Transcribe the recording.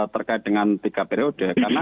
terkait dengan tiga periode karena